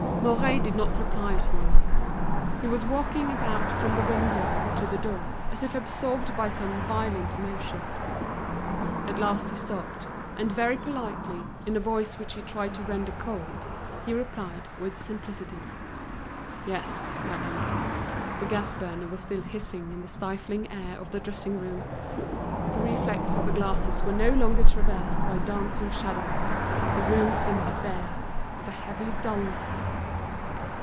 Mouret did not reply at once; he was walking about from the window to the door, as if absorbed by some violent emotion. At last he stopped, and very politely, in a voice which he tried to render cold, he replied with simplicity: "Yes, madame." The gas burner was still hissing in the stifling air of the dressing room. But the reflex of the glasses were no longer traversed by dancing shadows, the room seemed bare, of a heavy dullness.